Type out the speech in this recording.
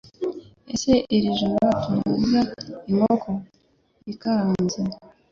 Ese iri joro turarya inkoko ikaranze?